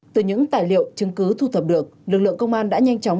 từ những tài liệu chứng cứ thu thập được lực lượng công an đã nhanh chóng